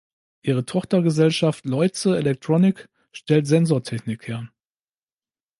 Ihre Tochtergesellschaft Leuze electronic stellt Sensortechnik her.